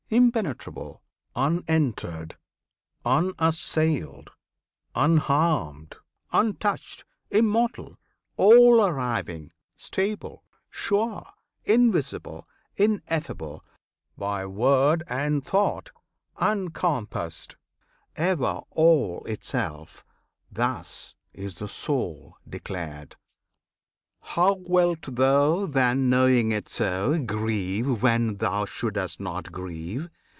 Impenetrable, Unentered, unassailed, unharmed, untouched, Immortal, all arriving, stable, sure, Invisible, ineffable, by word And thought uncompassed, ever all itself, Thus is the Soul declared! How wilt thou, then, Knowing it so, grieve when thou shouldst not grieve?